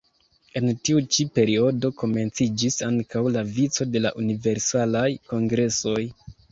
En tiu ĉi periodo komenciĝis ankaŭ la vico de la Universalaj Kongresoj.